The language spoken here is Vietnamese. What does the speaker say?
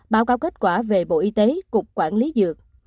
báo cáo kết quả về bộ y tế cục quản lý dược